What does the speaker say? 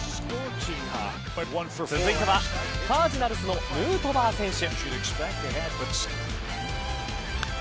続いてはカージナルスのヌートバー選手。